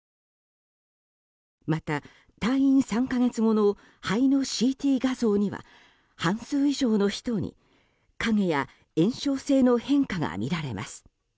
また退院３か月後の肺のＣＴ画像には半数以上の人に影や炎症性の変化が見られます。